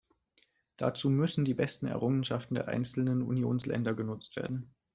Dazu müssen die besten Errungenschaften der einzelnen Unionsländer genutzt werden.